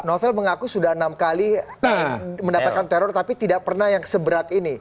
novel mengaku sudah enam kali mendapatkan teror tapi tidak pernah yang seberat ini